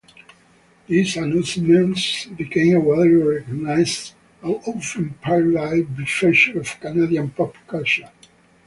These announcements became a widely recognized and often-parodied feature of Canadian pop culture.